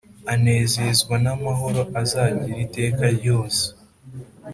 anezezwa n'amahoro azagira iteka ryose.